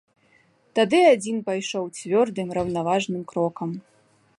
Тады адзін пайшоў цвёрдым, раўнаважным крокам.